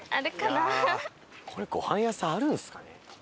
これごはん屋さんあるんですかね？